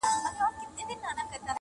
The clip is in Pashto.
په خندا يې مچولم غېږ يې راکړه!.